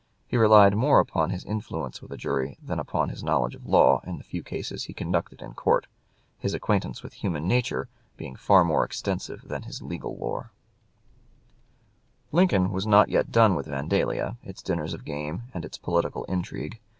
He relied more upon his influence with a jury than upon his knowledge of law in the few cases he conducted in court, his acquaintance with human nature being far more extensive than his legal lore. Lincoln was not yet done with Vandalia, its dinners of game, and its political intrigue.